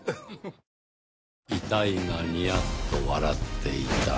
遺体がニヤッと笑っていた。